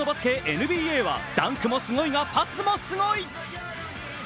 ＮＢＡはダンクもすごいがパスもすごい。